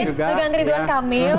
pegang keriduan kamil